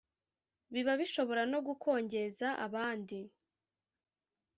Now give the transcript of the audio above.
biba bishobora no gukongeza abandi